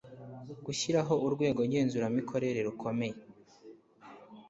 gushyiraho urwego ngenzuramikorere rukomeye